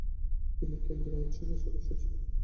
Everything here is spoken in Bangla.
তিনি কেন্দ্রীয় আইনসভার সদস্য ছিলেন।